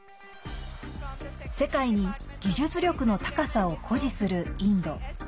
世界に技術力の高さを誇示するインド。